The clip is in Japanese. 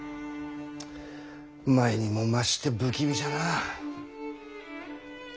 前にも増して不気味じゃな。